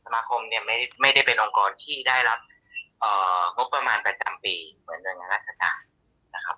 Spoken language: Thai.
สมาคมไม่ได้เป็นองค์กรที่ได้รับงบประมาณ๘ปีเหมือนเดือนงานราชการ